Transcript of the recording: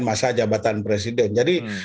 masa jabatan presiden jadi